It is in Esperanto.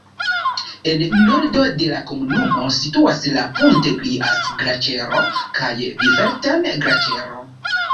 En nordo de la komunumo situas la Punteglias-Glaĉero kaj Biferten-Glaĉero.